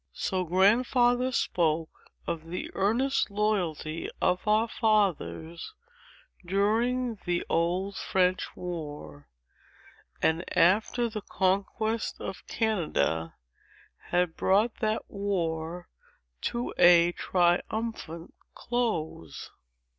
So Grandfather spoke of the earnest loyalty of our fathers during the Old French War, and after the conquest of Canada had brought that war to a triumphant close.